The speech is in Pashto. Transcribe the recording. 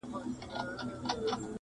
چي هر څو یې مخ پر لوړه کړه زورونه,